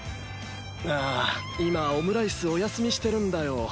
ああ今オムライスお休みしてるんだよ。